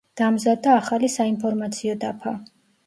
დამზადდა ახალი საინფორმაციო დაფა.